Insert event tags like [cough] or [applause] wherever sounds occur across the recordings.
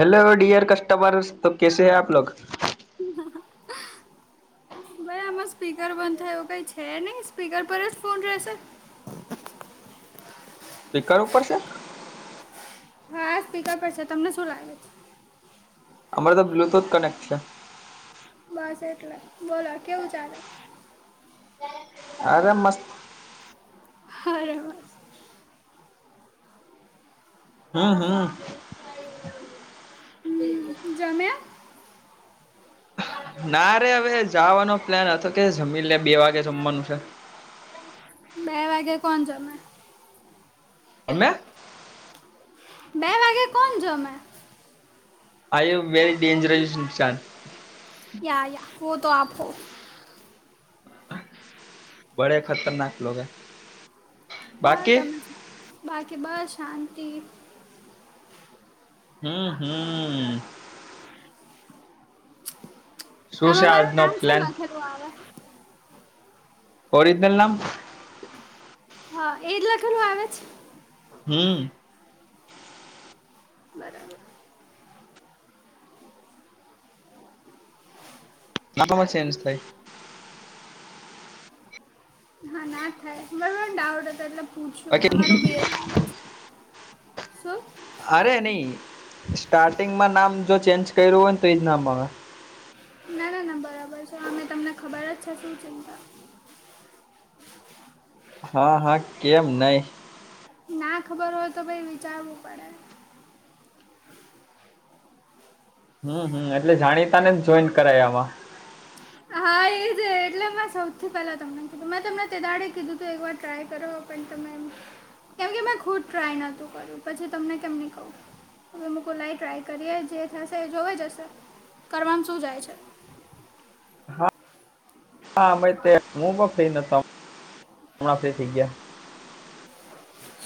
Hello dear customer. તો કેસે હૈ આપલોગ? [inaudible] ભાઈ આમાં સ્પીકર બંધ થાય એવું કંઈ છે નહીં? સ્પીકર પર જ ફોન રહેશે? એ કરવુ પડશે. હા સ્પીકર પર છે. તમને શું લાગે છે? અમારે તો બ્લૂટૂથ કનેક્ટ છે. બસ એટલે. બોલો કેવું ચાલે? અરે મસ્ત. [inaudible] હમ્મ-હમ્મ. હમ્મ. જમ્યાં? ના રે હવે જાવાનો પ્લાન હતો કે જમી લે, બે વાગે જમવાનું છે. બે વાગે કોણ જમે? અમે. બે વાગે કોણ જમે? આઈ એમ વેરી ડેન્જરસ ઈન્સાન. Yeah, yeah. વો તો આપ હો. બડે ખતરનાક લોગ હે. હા બાકી [unintelligible] બાકી બ શાંતિ. હમ્મ-હમ્મ. શું છે આમાં મારું આજનો નામ શું પ્લાન લખેલું આવે? ઓરિજનલ નામ? હા. એ જ લખેલું આવે છ? હમ્મ. બરાબર. [unintelligible] ચેન્જ થાય. હા ના થાય. બરોબર ડાઉટ હતો એટલે પૂછ્યું તમારું બે બાકી શું? અરે નહીં. સ્ટાર્ટિંગમાં નામ જો ચેન્જ કર્યું હોય ને તો ઈજ નામ આવે. ના-ના-ના બરાબર છે. અમે તમને ખબર જ છે શું ચિંતા. હા, હા કેમ નહીં. ના ખબર હોય તો ભઈ વિચારવું પડે. હમ્મ-હમ્મ. એટલે જાણીતા ને જ જોઈન કરાય આવા. હા એજ એટલે મે સૌથી પેલા તમને કીધું. મેં તમને તે દાડે કીધું તું એક વાર ટ્રાય કરો. પણ તમે એમ કેમ કે મે ખુદ ટ્રાય નોતું કર્યું, પછી તમને કેમની કહું. હવે મે કુ લાઈ ટ્રાય કરીએ, જે થશે એ જોવાઈ જશે. કરવામાં શું જાય છે! હા [unintelligible] હું પણ ફ્રી નતો, હમણાં ફ્રી થઈ ગયા.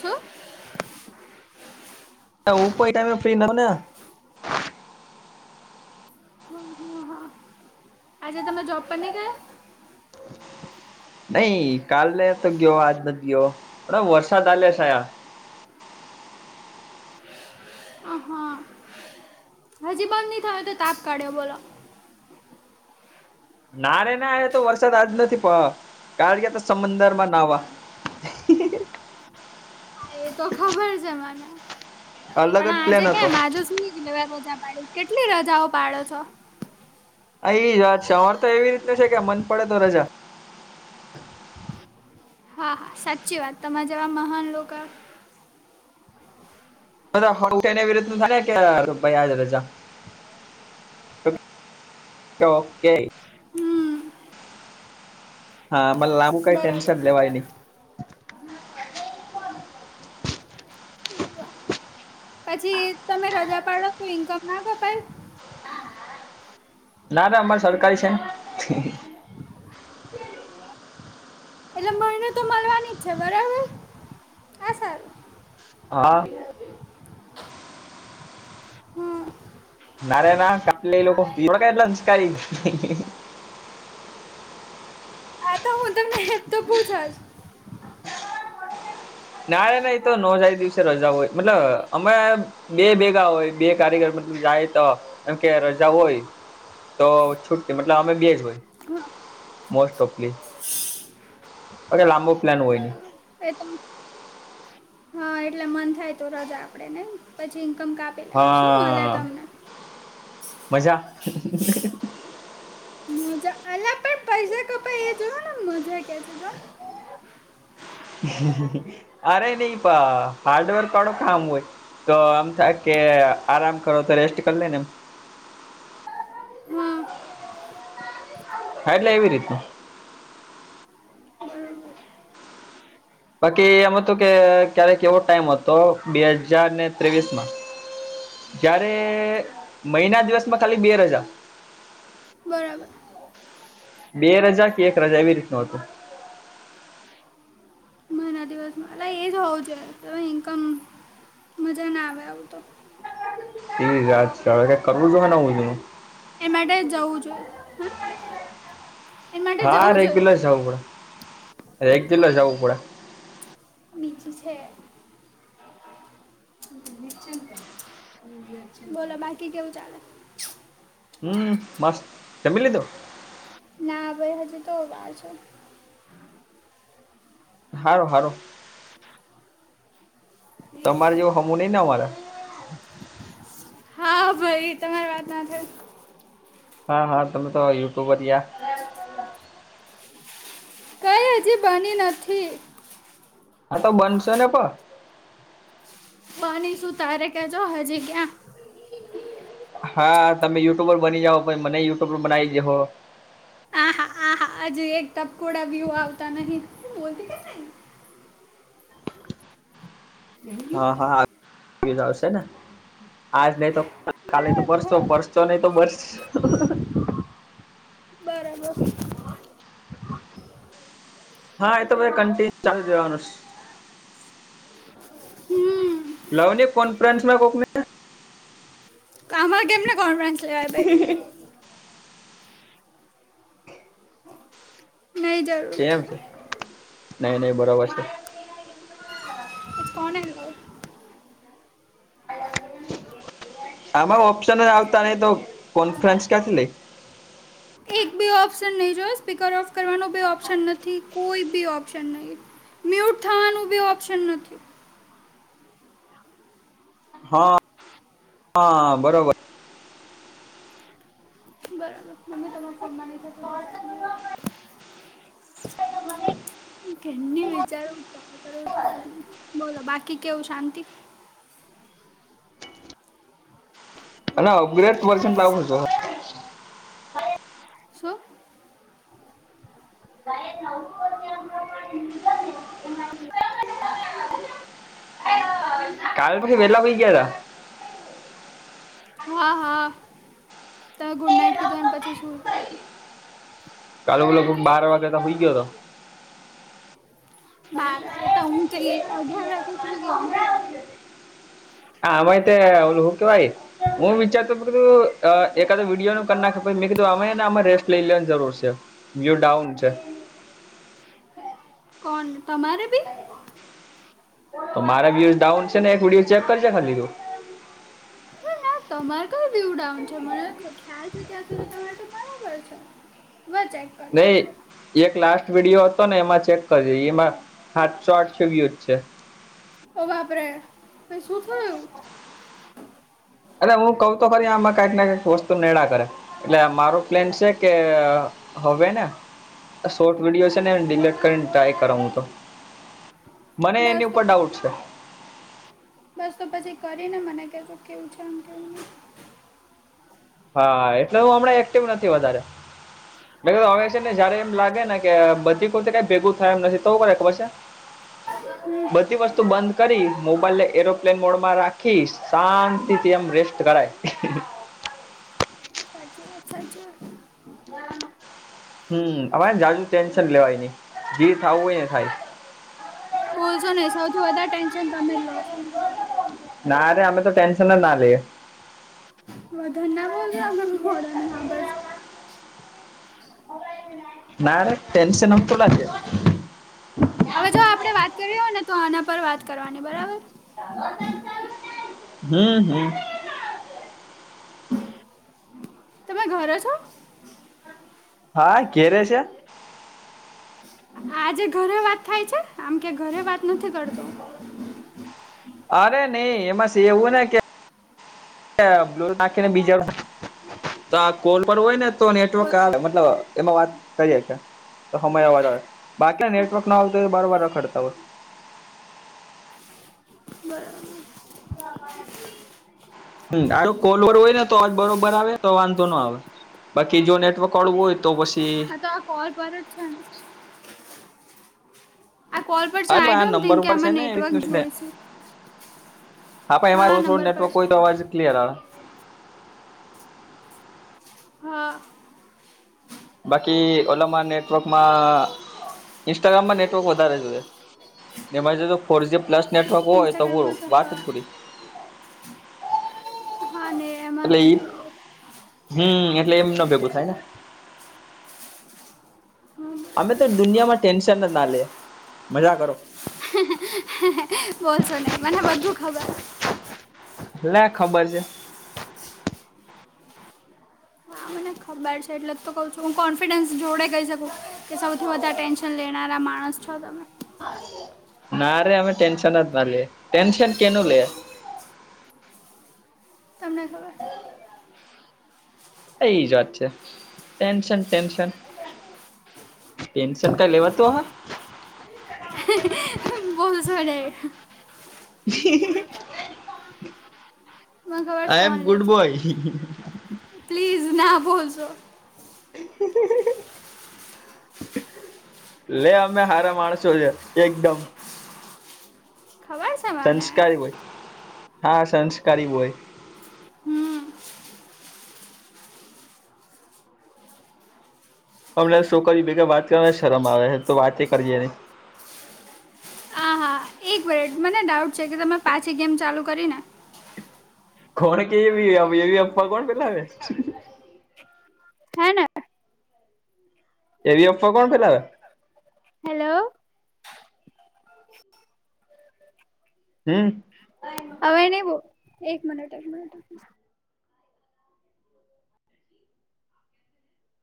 શું ને [inaudible] હા આજે તમે જોબ પર નહીં ગયાં? [inaudible] નહી કાલ ન તો ગયો આજ નથી ગયો પણ વરસાદ આલ સાયા અહા હજી બંધ નહી થયો તો તાપ કાઢ્યો બોલો નારે ના એહ તો વરસાદ આજ નથી પ કાળ તો સમદર માં નાવા હ. એ તો ખબર છે મને અલગ પણ જ આજે પ્લેન હતો કેમ આજુ સુું- રજા પાડી કેટલી રજાઓ પાડો છો. હ એ જ વાત છે અર તો એવી રીતતે છે કે મન પડે તો રજા. હા હા સાચી વાત તમારા જેવા મહાન લોકો રજા. તો ઓકે હાઆ મા લંબુ કઈ ટેન્શન લેવાય નહી. પછી તમે રજા પાડો ઇન્કમ ખપાઈ ના ના અમારે સરકારી છે ને મને તો મળવાની ઈછે બરાબર હા સારું. હા, હમ [unintelligible] [inaudible] આતો હું તમને હેતો પૂછશ. નાના એતોનો જાય દિવસે રજા હોય મતલબ અમે. બે ભેગા હોય બે કારીગર મતલબ જાય તો એમ કે રજા હોય. તો છું મતલબ અમે બેજ હોય હા મોસ્ટઓફલી. અરે લાંબો. બરોબર એતો. હા, એટલે મને મન થાય તો આપેને પછી ઈનકમ કાપવાની. હા મજા. મુજા અલયા પૈસા કપાય એજોને મુજા કેમ અરે નહિપા હાર્ડવર્ક વાળું કામ હોય. તો આમ થાય કે આરામ કરોતો રેસ્ટ કરી લે, ને હા એટલે એવી રીતે. બરોબર બાકી એમ હતું કે ક્યારેક એવો ટાઈમ હતો બે હજારને ત્રેવીસમાં. જયારે મહિના દિવસમાં ખાલી બે રજા, બરાબર. બે રજા કે એક રજા એવી રીતનો હતો. મહિના દિવસમાં એજ હોવું જોઈએ, ઇન્કમ મજા ના આવે આવુંતો. એઈજ વાત છે, હવે કંઈ કરવું જોકે નવું શું, એ માટે જવું જોઈએ હ. હારે રેગ્યુલર જવું પડે, રેગ્યુલર જવું પડે. જે છે. હ [unintelligible] બોલો બાકી કેવું ચાલે. હું મસ્ત જમી લીધું. ના આવેે હજુતો વાર છે. હારો, હારો. તમારે જેવું હમુ નહીંને અમારે. હા ભાઈ તમારી વાતના થાય. હા હા તમે તો યુટ્યુબરયા. કઈ હજી બની નથી. હાતો બનશે ને પણ બની સુું તારે કેજો હજી ક્યાં હા તમે યુટ્યુબર બની જાહો પછી મને યુટ્યુબર બનાય દેહો. હા હા હજુ એક ટપકોડા વ્યુ આવતા નહીં. [inaudible] હા હા આવી ગેલા હસે ને. આજ નહીંતો કાલે તો પરશો પરશો નહીંતો બરસ બરાબર હા એતો કન્ટિન્યુ ચાલુ જ રેવાનું છે. હમ લવને કોન્ફરન્સમાં કોકને. આમાં કેમને કોન્ફડન્સ લેવા બે [inaudible] નહીં જાવ. એમ નહીં નહીં બરોબર છે. એ ફોન એ જ લવ આમાં ઓપ્શન જ આવતા નહી તો કોનફરેન્સ ક્યાંથી લઈ. એક બે ઓપ્શન નહીં જોયો સ્પીકર ઓફ કરવાનો બે ઓપ્શન નથી કોઈ ભી ઓપ્શન નહીં. મ્યૂટ થવાનું ભી ઓપ્શન નથી. હા, હા બરોબર. બરાબર, મને તમારા ફોનમાં નહીં થશે વિચાર તમને ક્યાર ની વિચારુ થતું નહી બોલો બાકી કેવું શાંતિ. અને અપગ્રેડ વર્ઝન લાવું હો શું [inaudible] કાલ પછી વેલા હુંય ગેલા. હા હા તમે ગુડ નાઈટ કીધું ને પછી સૂઈ ગઈ તી. કાલે [unintelligible] લગભગ બાર વાગે તો હુઈ ગયો તો. બાર વાગે તો હું જ અધવટી ગઈ. આ વાતે ઓલું હું કહેવાય? હું વિચારતો હતો કે એકાદ વિડિયોનું કરી નાખું પછી મેં કહ્યું, અમને આમાં રેસ્ટ લઈ લેવાની જરૂર છે. વિડિઓ ડાઉન છે. કોણ તમારે બી. તો મારા વ્યુઝ ડાઉન છે ને એક વિડીયો ચેક કરજે ખાલી તું. ના તમારે કઈ વ્યુ ડાઉન છે, મને ખ્યાલ છે ત્યાં સુધી તમારે તો બરાબર છે. વધ જાય નય એક લાસ્ટ વિડીયો હતો ને, એમાં ચેક કરી એમાં આઠસો આઠસો વ્યુઝ છે. ઓ બાપરે ઓછી શું થયું? અરે હું કહું તો ખરી, આમાં કાઢ નાખ સોસ તો નડેળા કરે. એટલે મારો પ્લેન છે કે હવે ને શોર્ટ વિડીયો છે ને, ડિલીટ કરીને ટ્રાય કરું હું તો. મને બસ એની તો ઉપર ડાઉટ છે. બસ તો પછી કરીને મને કહો કેવું છે, આમ કેવની. એટલે હું હમણાં એક્ટિવ નથી વધારે. હા છે ને જ્યારે એમ લાગે ને કે બધી કૉલ કંઈ ભેગું થાય એમ નથી તો એવું કરે ખબર છે. હમ. બધી વસ્તુ બંધ કરી મોબાઈલને એરપ્લેન મોડમાં રાખી શાંતિથી એમ રેસ્ટ કરાય. હ. [inaudible] સાચી વાત સાચી વાત. હમ અરે જાજુ ટેન્શન લેવાય નહીં, જે થાવું હોય ને થાય. બોલશો નહીં સૌથી વધારે ટેન્શન રમેલ હત. ના રે અમે તો ટેન્શન ના લઈએ. બધાં બોલ રહેવા દે. ના રે ટેન્શન તું લે. હવે જો આપણે વાત કરી હોય ને તો આના પર વાત કરવાની બરાબર. હમ હમ. તમે ઘરે છો? હા ઘેર છે. આજે ઘરે વાત થાય છે આમ કે ઘરે વાત નથી કરતો. અરે નહીં એમાં એવું ને કે. લો નાખીને બીજા તો આ કૉલ પર હોય ને તો નેટવર્ક આવે મતલબ એમાં વાત કરીએ કે. તો અવાજ આવે, બાકી નેટવર્ક ના આવતો હોય બરોબર રખડતા હોય. બરાબર. [unintelligible] કૉલર હોય ને તો જ બરાબર આવે તો વાંધો ન આવે. બાકી જો નેટવર્ક વાળું હોય તો પછી. હા તો આપડા સારું ને? આ કોલ પર છે હરે આઈ ડોન્ટ નંબર થિંક કે ઉપર છે આમાં ને એ નેટવર્ક રીતનું. જોઈ છે હા પણ એમાં થડું થોડું નંબર પર નેટવર્ક છે હોય તો અવાજ ક્લયર આવે. હા. બાકી ઓલામાં નેટવર્કમાં ઇન્સ્ટાગ્રામમાં નેટવર્ક વધારે જોએ. એમાં જો જો ફોરજી પ્લસ નેટવર્ક હોય તો ઇન્સ્ટાગ્રામમાં બોરું વાત હા જ થો. હા ને એમાં એટલે તો ઈ જોયએ. હમ એટલે એમ ન ભેગું થાય ને. અમે તો દુનિયામાં ટેન્શન જ ના લેએ, મજા કરો. બોસો નને મને બધું ખબર. લ ખબર છે. ને ખબર છે એટલે જ તો કહું છું હું કોન્ફિડન્સ જોડે કહી શકું. કે સૌથી વધધા ટેન્શન લેનારા માણસ છો તમે. [inaudible] ના રે અમે ટટેનશન જ ના લે, ટટેનશન કેન લ. તમને ખબર એ જ વાત છે, ટેન્શન ટેન્શન. પટેન્સન ક લેવા તું હ. હ [unintelligible] બોલ સડ [unintelligible] હ [unintelligible] મન ખબર હ છે આઈ એમ કોણ ગુડ લેય છે બોય પ્લીઝ ના બોલશો. [unintelligible] લે અમે હારા માણસો છે એકદમ. ખબર છે મને સંસ્કારી હોય હા સંસ્કારી હોય. હમ ઓનલાઈન શું કર્યું બે વાત કરવા શરમ આવે છે તો વાત યે કરયે નય. આ હા એક મીનિટ મને ડાઉટ છે કે તમે પાછી ગેમ ચાલુ કરીને. કોણ કે એવી એવી આફવા કોણ ફેલાવે. હે ને એવી અફવા કોણ ફેલાવે? હેલો. હમમ હવે નય બો એક મિનિટ એક મિનિટ.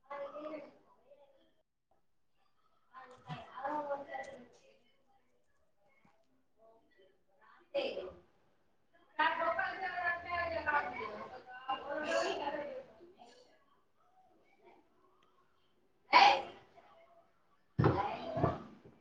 [unintelligible] [unintelligible] [unintelligible] [unintelligible]